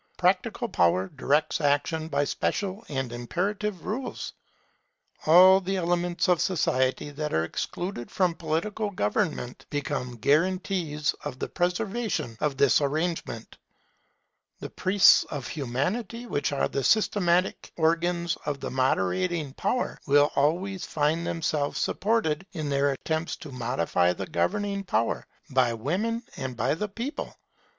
Practical power directs action by special and imperative rules. All the elements of society that are excluded from political government become guarantees for the preservation of this arrangement. The priests of Humanity, who are the systematic organs of the moderating power, will always find themselves supported, in their attempts to modify the governing power, by women and by the people.